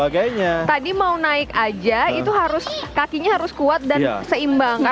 ahora kalau kita ingin naik lebih jauh brutuh itu ya kemungkinan nya di ras kantor